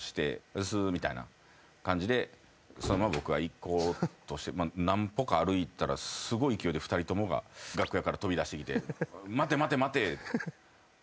「うっす」みたいな感じでそのまま僕は行こうとして何歩か歩いたらすごい勢いで２人ともが楽屋から飛び出してきて。